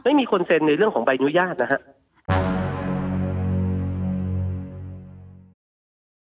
ไม่มีคนเซ็นในเรื่องของใบอนุญาตนะครับ